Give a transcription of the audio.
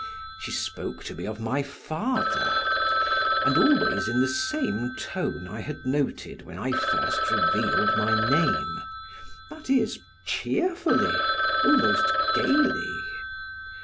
She spoke to me of my father, and always in the same tone I had noted when I first revealed my name that is, cheerfully, almost gaily.